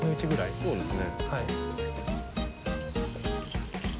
そうですね。